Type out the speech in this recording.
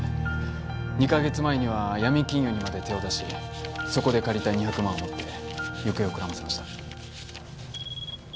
２か月前には闇金融にまで手を出しそこで借りた２００万を持って行方をくらませました。